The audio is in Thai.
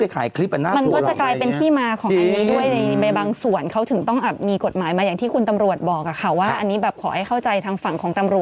มันก็อาจจะต้องมีข้อนี้ที่มัน